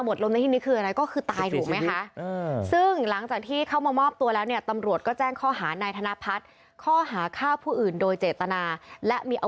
หมดลมในที่นี้คืออะไร